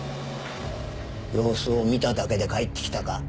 様子を見ただけで帰ってきたか？